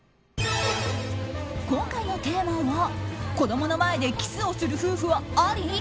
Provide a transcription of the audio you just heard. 今回のテーマは子供の前でキスをする夫婦はあり？